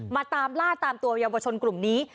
ตามล่าตามตัวเยาวชนกลุ่มนี้